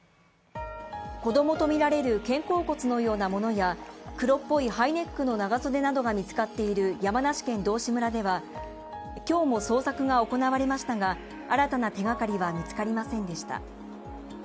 子供とみられる肩甲骨のようなものや黒っぽいハイネックの長袖などが見つかっている山梨県道志村では、今日も捜索が行われましたが新たな手がかりは見つかりませんでした。